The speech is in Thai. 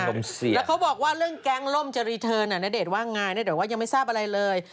แล้วเขาบอกว่าเรื่องแก๊งล่มจะรีเทิร์นณเดชน์ว่าไงแต่ว่ายังไม่ทราบอะไรเลย